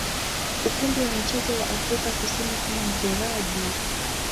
ukumbi wa michezo wa Afrika Kusini kama mchoraji.